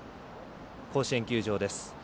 甲子園球場です。